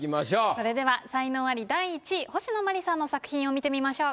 それでは才能アリ第１位星野真里さんの作品を見てみましょう。